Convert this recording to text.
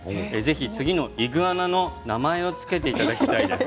次のイグアナの名前も付けていただきたいです。